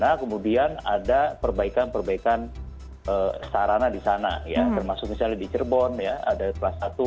nah kemudian ada perbaikan perbaikan sarana di sana ya termasuk misalnya di cirebon ya ada kelas satu